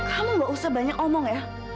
kamu gak usah banyak omong ya